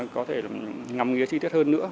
có thể là ngắm nghĩa chi tiết hơn nữa